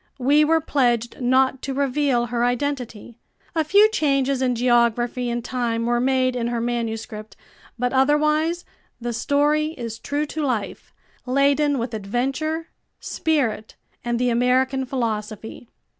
We were pledged not to reveal her identity. A few changes in geography and time were made in her manuscript, but otherwise the story is true to life, laden with adventure, spirit and the American philosophy.